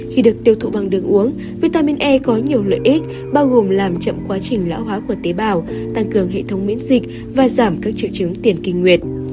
khi được tiêu thụ bằng đường uống vitamin e có nhiều lợi ích bao gồm làm chậm quá trình lão hóa của tế bào tăng cường hệ thống miễn dịch và giảm các triệu chứng tiền kinh nguyệt